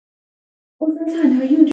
د خپلو ملګرو سره صادق اوسئ.